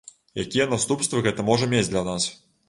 Якія наступствы гэта можа мець для нас?